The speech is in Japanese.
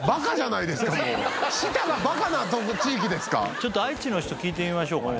ちょっと愛知の人聞いてみましょうかね。